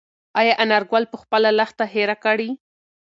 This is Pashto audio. ایا انارګل به خپله لښته هېره کړي؟